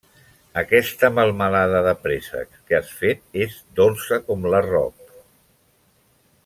Aquesta melmelada de préssecs que has fet és dolça com l'arrop.